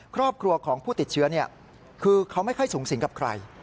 ครอบครัวของผู้ติดเชื้อคือเขาไม่ค่อยสูงสิงกับใคร